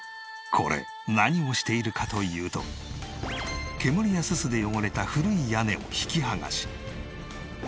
これ何をしているかというと煙やススで汚れた古い屋根を引き剥がし。